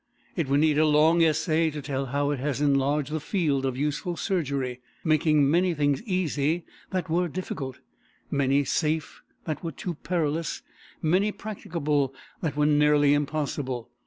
It would need a long essay to tell how it has enlarged the field of useful surgery, making many things easy that were difficult, many safe that were too perilous, many practicable that were nearly impossible.